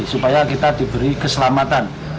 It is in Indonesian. supaya kita diberi keselamatan